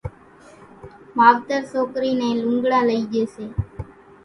ماوتر سوڪرِي نين لوڳڙان لئِي ڄي سي